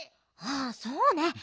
ああそうね。